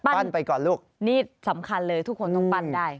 ไปก่อนลูกนี่สำคัญเลยทุกคนต้องปั้นได้